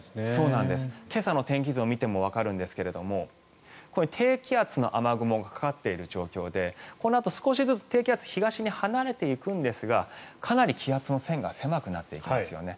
今朝の天気図を見てもわかるんですが低気圧の雨雲がかかっている状況でこのあと少しずつ低気圧は東に離れていくんですがかなり気圧の線が狭くなっていきますよね。